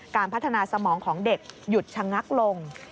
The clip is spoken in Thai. การพัฒนาสมองของเด็กหยุดชะงักลง